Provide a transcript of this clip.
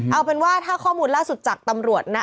เอาเป็นว่าถ้าข้อมูลล่าสุดจากตำรวจนะ